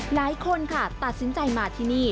หลายคนค่ะตัดสินใจมาที่นี่